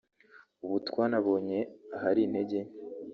ubu twanabonye ahari intege nke